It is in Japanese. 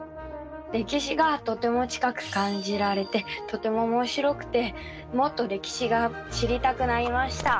歴史がとても近く感じられてとてもおもしろくてもっと歴史が知りたくなりました。